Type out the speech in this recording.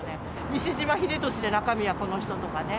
西島秀俊で中身はこの人とかね。